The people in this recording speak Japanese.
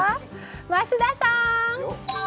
増田さーん！